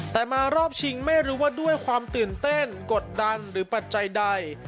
แต่มารอบชิงไม่รู้ว่าด้วยความตื่นเต้นกดดันหรือปัจจัยใด